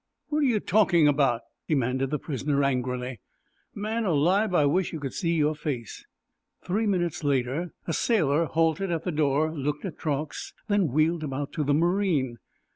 "What are you talking about!" demanded the prisoner angrily. "Man alive, I wish you could see your face!" Three minutes later a sailor halted at the door, looked at Truax, then wheeled about to the marine.